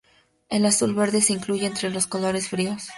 El azul verde se incluye entre los colores fríos.